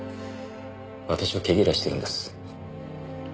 私を毛嫌いしてるんです。